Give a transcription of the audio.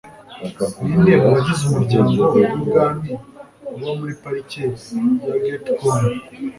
Ninde mu bagize umuryango wibwami uba muri Parike ya Gatcombe?